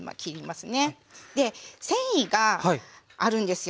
で繊維があるんですよ。